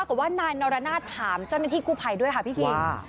ก็ว่านายนรนาศถามเจ้าหน้าที่กู้ไผ่ด้วยค่ะ